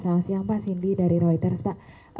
selamat siang pak cindy dari reuters pak